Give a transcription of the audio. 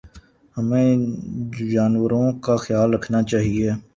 ہمیں جانوروں کا خیال رکھنا چاہیے